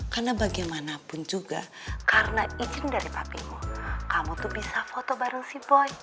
karena bagaimanapun juga karena izin dari papimu kamu tuh bisa foto bareng si boy